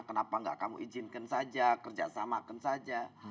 kenapa gak kamu izinkan saja kerjasamakan saja